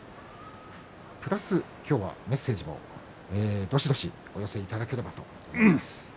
プラス、今日はメッセージもどしどしお寄せいただければと思います。